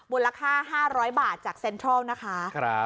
มูลค่า๕๐๐บาทจากเซ็นทรัลนะคะ